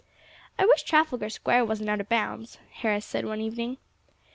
"I wish Trafalgar Square wasn't out of bounds," Harris said one evening.